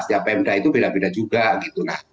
setiap pemda itu beda beda juga gitu